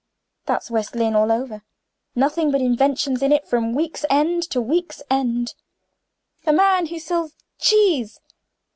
That's West Lynne all over! Nothing but inventions in it from week's end to week's end. A man who sells cheese!